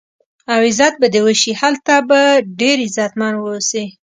او عزت به دې وشي، هلته به ډېر عزتمن و اوسې.